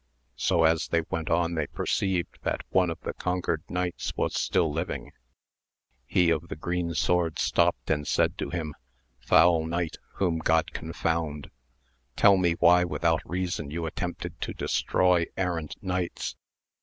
So as they went on they perceived that one of the conquered knights was still living, he of the green sword stopt and said to him, foul knight, whom God confound, tell me why without reason you at tempted to destroy errant knights